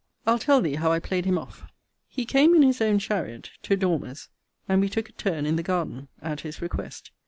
I'll tell thee how I play'd him off. He came in his own chariot to Dormer's; and we took a turn in the garden, at his request.